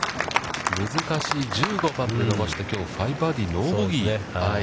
難しい１５番で伸ばして、きょう５バーディーノーボギー。